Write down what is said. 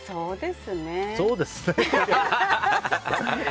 そうですねって。